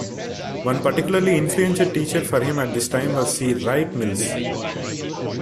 One particularly influential teacher for him at this time was C. Wright Mills.